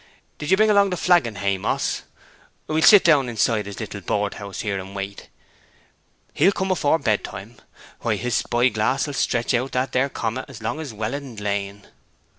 Did ye bring along the flagon, Haymoss? Then we'll sit down inside his little board house here, and wait. He'll come afore bed time. Why, his spy glass will stretch out that there comet as long as Welland Lane!'